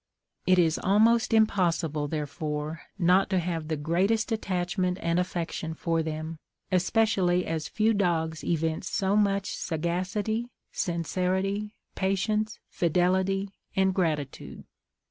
It is almost impossible, therefore, not to have the greatest attachment and affection for them, especially as few dogs evince so much sagacity, sincerity, patience, fidelity, and gratitude.